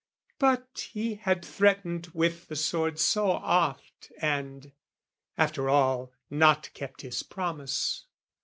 But he had threatened with the sword so oft And, after all, not kept his promise.